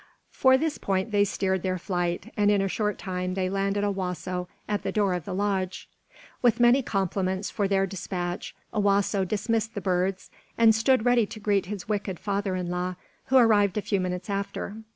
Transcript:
For this point they steered their flight; and in a short time they landed Owasso at the door of the lodge. With many compliments for their despatch, Owasso dismissed the birds and stood ready to greet his wicked father in law who arrived a few minutes after.